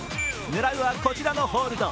狙うはこちらのホールド。